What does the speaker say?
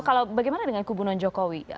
kalau bagaimana dengan kubunan jokowi